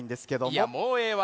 いやもうええわ。